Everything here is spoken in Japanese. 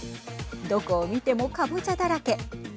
どこを見ても、かぼちゃだらけ。